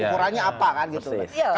ukurannya apa kan gitu